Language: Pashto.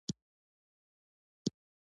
خلک باید په ټولنه کي یو بل و زغمي.